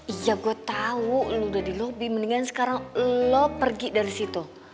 iya gue tahu lu sudah di lobi mendingan sekarang lu pergi dari situ